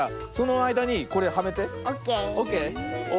オッケー？